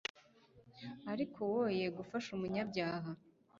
ariko woye gufasha umunyabyaha